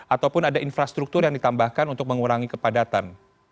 ataupun ada infrastruktur yang ditambahkan untuk mengurangi kepadatan